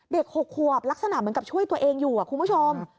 ๖ขวบลักษณะเหมือนกับช่วยตัวเองอยู่คุณผู้ชม